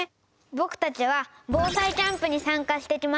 僕たちは防災キャンプに参加してきました。